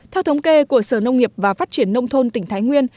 theo thống kê của sở nông nghiệp và phát triển nông thôn tỉnh thái nguyên